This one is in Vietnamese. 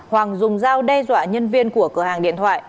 hoàng dùng dao đe dọa nhân viên của cửa hàng điện thoại